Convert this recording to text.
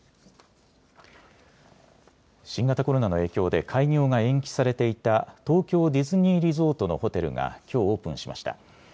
新型コロナの影響で開業が延期されていた東京ディズニーリゾートのホテルがきょうオープンしました。